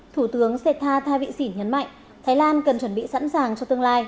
thủ tướng sê tha vị xỉn nhấn mạnh thái lan cần chuẩn bị sẵn sàng cho tương lai